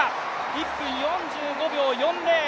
１分４５秒４０。